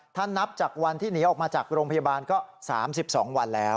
ถ้านับจากวันที่หนีออกมาจากโรงพยาบาลก็๓๒วันแล้ว